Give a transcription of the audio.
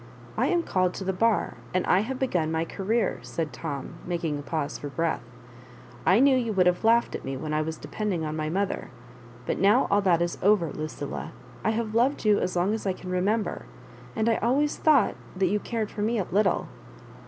I am called to the bar, and I have begun my Career, said Tom, making a pause for breath. I knew you would have laughed at me when I was de pending on my .mother; but now all that is over, Lucilla. I have loved you as long as I can remember; and I always thought — that you — cared for me a little.